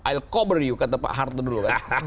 i'll cover you kata pak harto dulu